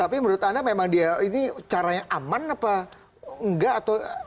tapi menurut anda memang dia ini caranya aman apa enggak atau